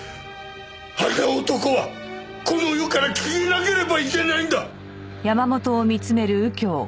あの男はこの世から消えなければいけないんだ！